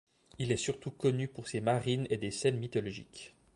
Il est surtout connu pour ses marines et des scènes mythologiques.